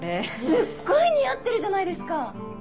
すっごい似合ってるじゃないですか！